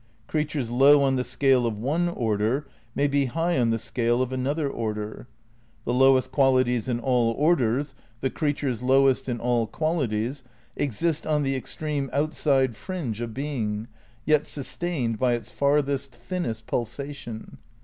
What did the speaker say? Creatures low on the scale of one order may be high on the scale of another order. The lowest qualities in all orders, the creatures lowest in all qualities, exist on the ex treme outside fringe of Being, yet sustained by its farthest, thinnest pulsation.